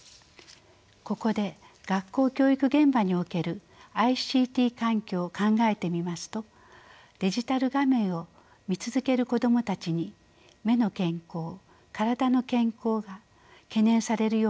ここで学校教育現場におけるＩＣＴ環境を考えてみますとデジタル画面を見続ける子どもたちに目の健康体の健康が懸念されるようになりました。